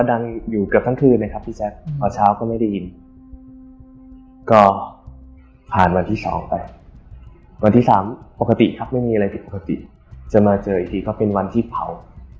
อันที่สามปกติครับไม่มีอะไรติดปกติจะมาเจออีกทีก็เป็นวันที่เผา